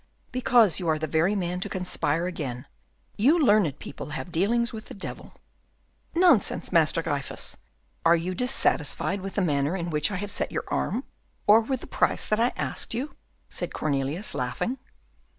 "Because you are the very man to conspire again. You learned people have dealings with the devil." "Nonsense, Master Gryphus. Are you dissatisfied with the manner in which I have set your arm, or with the price that I asked you?" said Cornelius, laughing.